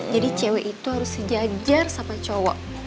jadi cewek itu harus sejajar sama cowok